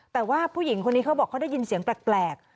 แต่ว่าผู้หญิงคนนี้เขาบอกเขาได้ยินเสียงแปลก